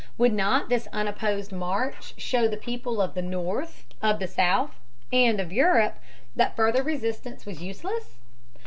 Would not this unopposed march show the people of the North, of the South, and of Europe that further resistance was useless?